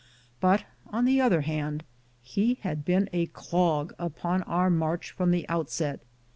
But, on the other hand, he had been a clog upon our march from the outset.